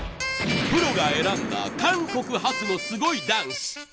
プロが選んだ韓国発のすごいダンス。